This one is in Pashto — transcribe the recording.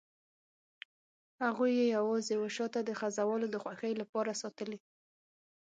هغوی یې یوازې وه شاته د خزهوالو د خوښۍ لپاره ساتلي.